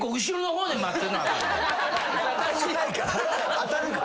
当たるから。